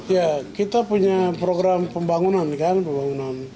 ya kita punya program pembangunan kan pembangunan